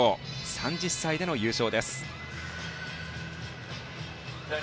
３０歳での優勝です。